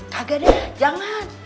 kagak deh jangan